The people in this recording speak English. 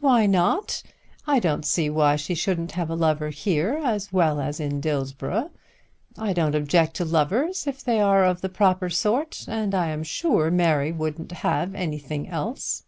"Why not? I don't see why she shouldn't have a lover here as well as in Dillsborough. I don't object to lovers, if they are of the proper sort; and I am sure Mary wouldn't have anything else."